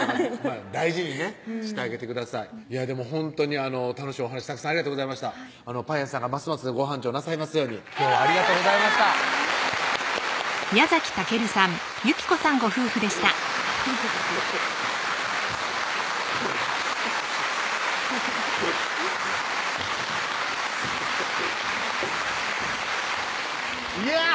大事にねしてあげてくださいでもほんとに楽しいお話たくさんありがとうございましたパン屋さんがますますご繁盛なさいますように今日はありがとうございましたいやっ！